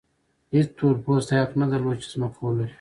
هېڅ تور پوستي حق نه درلود چې ځمکه ولري.